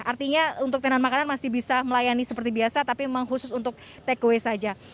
artinya untuk tenan makanan masih bisa melayani seperti biasa tapi memang khusus untuk takeaway saja